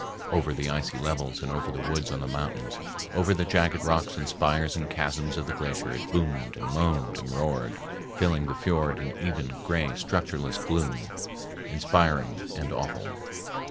Over the icy levels and over the woods, on the mountains, over the jagged rocks and spires and chasms of the glacier it boomed and moaned and roared, filling the fiord in even, gray, structureless gloom, inspiring and awful.